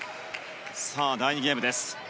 さあ、第２ゲームです。